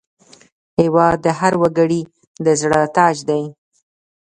هېواد د هر وګړي د زړه تاج دی.